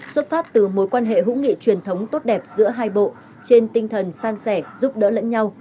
xuất phát từ mối quan hệ hữu nghị truyền thống tốt đẹp giữa hai bộ trên tinh thần san sẻ giúp đỡ lẫn nhau